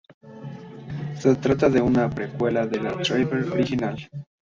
Se trata de una precuela del "Driver" original.